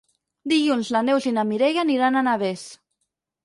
Dilluns na Neus i na Mireia aniran a Navès.